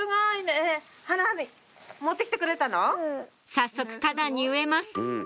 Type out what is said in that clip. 早速花壇に植えます